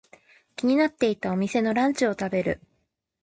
気になっていたお店のランチを食べる。